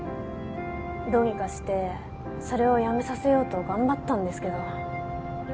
どうにかしてそれをやめさせようと頑張ったんですけど。